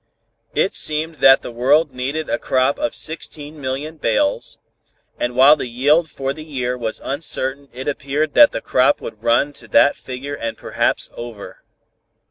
It seemed that the world needed a crop of 16,000,000 bales, and while the yield for the year was uncertain it appeared that the crop would run to that figure and perhaps over.